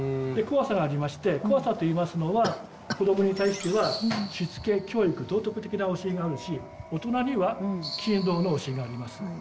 で怖さがありまして怖さといいますのは子供に対してはしつけ教育道徳的な教えがあるし大人には勤労の教えがあります。